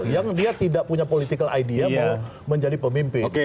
yang dia tidak punya political idea mau menjadi pemimpin